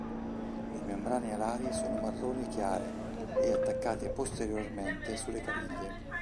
Le membrane alari sono marroni chiare e attaccate posteriormente sulle caviglie.